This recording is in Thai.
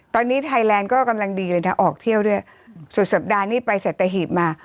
ตอนนี้ไทยแลนด์ก็กำลังดีเลยนะออกเที่ยวด้วยสุดสัปดาห์นี้ไปสัตหีบมา